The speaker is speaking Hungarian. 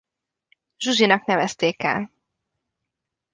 Zsuzsinak nevezték el.